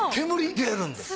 出るんです。